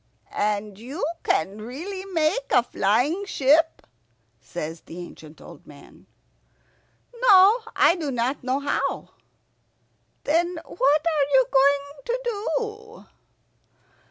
"And you can really make a flying ship?" says the ancient old man. "No, I do not know how." "Then what are you going to do?"